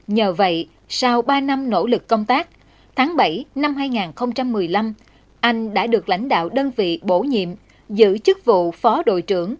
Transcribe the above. nhờ vậy sau ba năm nỗ lực công tác tháng bảy năm hai nghìn một mươi năm anh đã được lãnh đạo đơn vị bổ nhiệm giữ chức vụ phó đội trưởng